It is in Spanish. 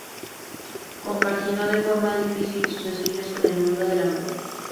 Compaginó de forma difícil sus estudios con el mundo de la moda.